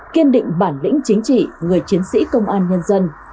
kiên định bản lĩnh chính trị người chiến sĩ công an nhân dân